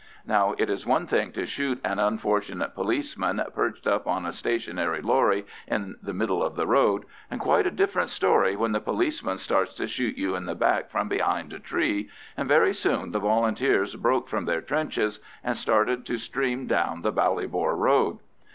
Now it is one thing to shoot an unfortunate policeman perched up in a stationary lorry in the middle of the road, and quite a different story when the policeman starts to shoot you in the back from behind a tree, and very soon the Volunteers broke from their trenches and started to stream down the Ballybor road.